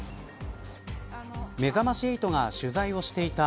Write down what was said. めざまし８が取材をしていた